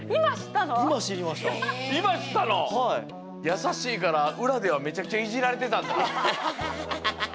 やさしいからうらではめちゃくちゃいじられてたんだ。